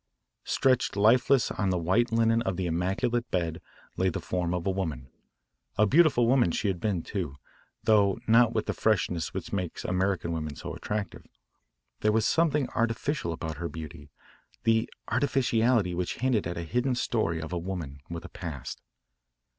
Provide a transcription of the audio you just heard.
Stretched lifeless on the white linen of the immaculate bed lay the form of a woman, a beautiful woman she had been, too, though not with the freshness which makes American women so attractive. There was something artificial about her beauty, the artificiality which hinted at a hidden story of a woman with a past.